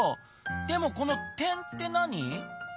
でもこの「てん」って何？